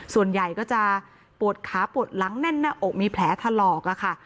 ส่วนใหญ่ก็จะปวดขาปวดหลังแน่นหน้าอกมีแผลถลอกอะค่ะ